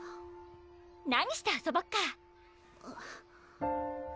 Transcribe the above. ・何して遊ぼっか！